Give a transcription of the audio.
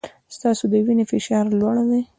ستاسو د وینې فشار لوړ دی.